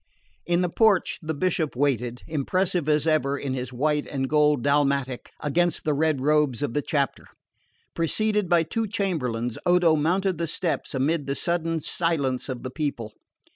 In the porch the Bishop waited, impressive as ever in his white and gold dalmatic, against the red robes of the chapter. Preceded by two chamberlains Odo mounted the steps amid the sudden silence of the people.